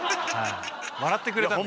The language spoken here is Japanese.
笑ってくれたんで。